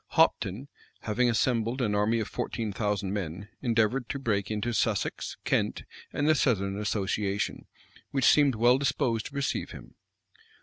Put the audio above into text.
Hopton, having assembled an army of fourteen thousand men, endeavored to break into Sussex, Kent, and the southern association, which seemed well disposed to receive him.